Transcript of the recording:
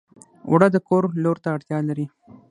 اوړه د کور لور ته اړتیا لري